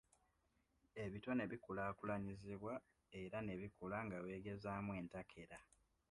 Ebitone bikulaakulanyizibwa era ne bikula nga weegezaamu entakera.